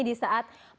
di saat pandemi